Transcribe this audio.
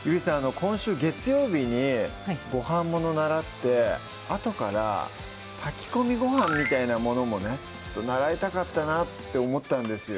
今週月曜日にご飯もの習ってあとから炊き込みご飯みたいなものもね習いたかったなって思ったんですよ